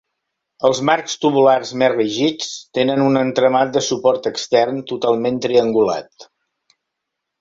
Els marcs tubulars més rígids tenen un entramat de suport extern totalment triangulat.